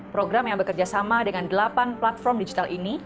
program yang bekerjasama dengan delapan platform digital ini